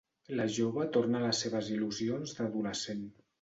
La jove torna a les seves il·lusions d'adolescent.